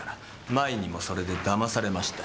前にもそれで騙されましたし。